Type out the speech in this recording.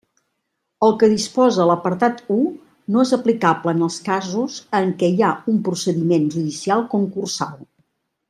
El que disposa l'apartat u no és aplicable en els casos en què hi ha un procediment judicial concursal.